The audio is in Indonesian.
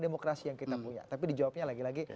demokrasi yang kita punya tapi dijawabnya lagi lagi